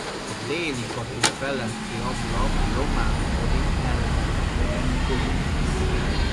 A déli kapu feletti ablak román kori elemeket őriz.